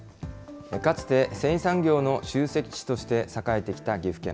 かつて繊維産業の集積地として栄えてきた岐阜県。